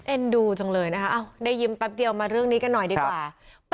ดูจังเลยนะคะได้ยินแป๊บเดียวมาเรื่องนี้กันหน่อยดีกว่า